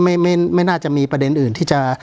การแสดงความคิดเห็น